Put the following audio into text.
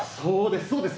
そうです